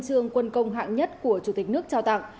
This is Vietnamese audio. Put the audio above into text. trường quân công hạng nhất của chủ tịch nước trao tặng